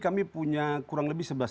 kami punya kurang lebih